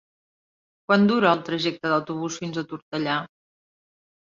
Quant dura el trajecte en autobús fins a Tortellà?